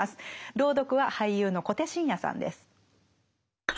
朗読は俳優の小手伸也さんです。